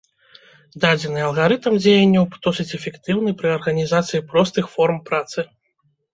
Дадзены алгарытм дзеянняў досыць эфектыўны пры арганізацыі простых форм працы.